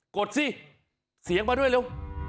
กดสิเสียงมาด้วยเร็ว